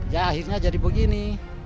ya akhirnya jadi begini